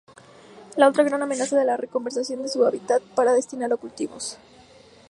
La otra gran amenaza es la reconversión de su hábitat para destinarlo a cultivos.